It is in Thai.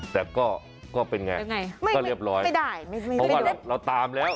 แต่ก็ก็เป็นไงเป็นไงก็เรียบร้อยไม่ได้ไม่ไม่ได้เพราะว่าเราตามแล้ว